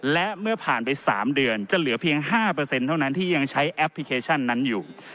และเมื่อผ่านไป๓เดือนจะเหลือเพียง๕เท่านั้นที่ยังใช้แอปพลิเคชันนั้นอยู่